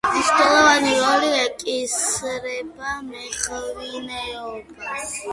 მნიშვნელოვანი როლი ეკისრება მეღვინეობას.